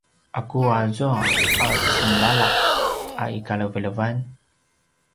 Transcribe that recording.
’aku azua a cemlala’ a i kalevelevan?